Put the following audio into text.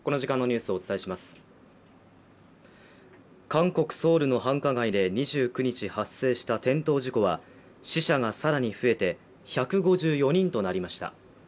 韓国ソウルの繁華街で２９日発生した転倒事故は死者が更に増えて１５４人となりました。